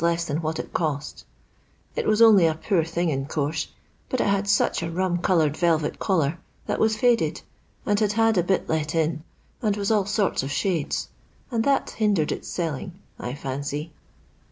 leas than what it cost It was only a poor thing, in course, but it had such a rum coloured velvet collar, that was faded, and had had a bit let in, and was all sorts of shades, and that hindered its selling, I fancy.